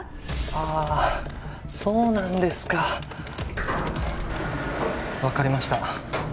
あそうなんですか分かりました